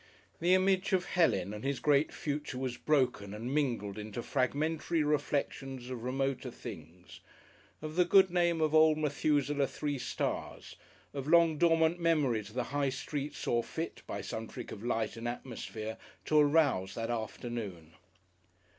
The image of Helen and his great future was broken and mingled into fragmentary reflections of remoter things, of the good name of Old Methusaleh Three Stars, of long dormant memories the High Street saw fit, by some trick of light and atmosphere, to arouse that afternoon....